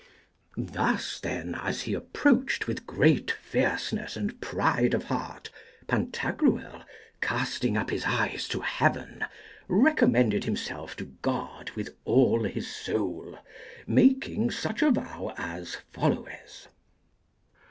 Thus, then, as he approached with great fierceness and pride of heart, Pantagruel, casting up his eyes to heaven, recommended himself to God with all his soul, making such a vow as followeth.